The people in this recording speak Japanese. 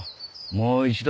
もう一度？